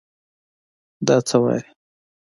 دا څه وايې.